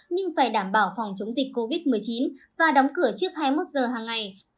nhưng phải đảm bảo phòng chống dịch covid một mươi chín và đóng cửa trước hai mươi một giờ hàng ngày